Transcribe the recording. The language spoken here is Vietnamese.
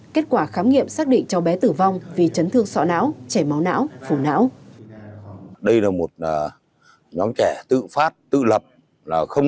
kết quả khám nghiệm xác định cháu bé tử vong vì chấn thương sọ não chảy máu não phù não